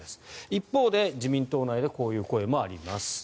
一方で自民党内でこういう声もあります。